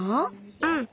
うん。